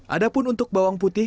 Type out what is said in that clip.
ada pun untuk bawang putih